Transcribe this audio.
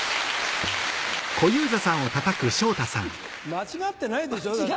間違ってないでしょうだって。